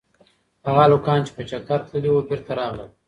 هغه هلکان چې په چکر تللي وو بېرته راغلل.